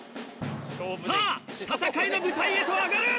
さぁ戦いの舞台へと上がる！